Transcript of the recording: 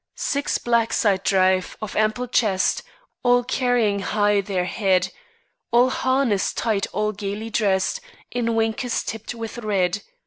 Six blacks I'd drive, of ample chest, All carrying high their head. All harnessed tight, and gaily dressed In winkers tipped with red.